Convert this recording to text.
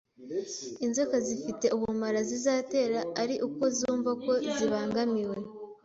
Inzoka zifite ubumara zizatera ari uko zumva ko zibangamiwe.